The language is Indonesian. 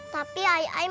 tapi ayah mau beli ini